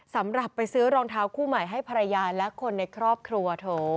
สำหรับไปซื้อรองเท้าคู่ใหม่ให้ภรรยาและคนในครอบครัวโถ